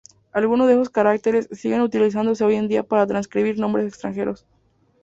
Algunos de esos caracteres siguen utilizándose hoy en día para transcribir nombres extranjeros.